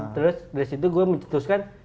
terus dari situ gue mencetuskan